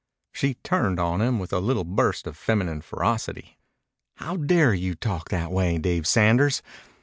She turned on him with a little burst of feminine ferocity. "How dare you talk that way, Dave Sanders!